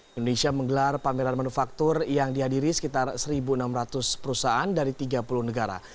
indonesia menggelar pameran manufaktur yang dihadiri sekitar satu enam ratus perusahaan dari tiga puluh negara